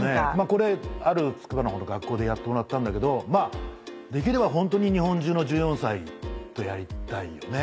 これあるつくばのほうの学校でやってもらったんだけどできればホントに日本中の１４歳とやりたいよね。